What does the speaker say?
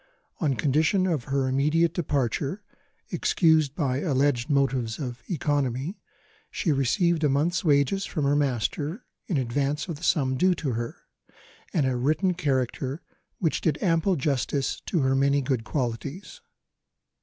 On condition of her immediate departure (excused by alleged motives of economy), she received a month's wages from her master, in advance of the sum due to her, and a written character which did ample justice to her many good qualities.